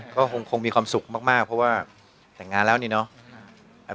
ก็คงมีความสุขมากเพราะว่าแต่งงานแล้วนี่เนาะ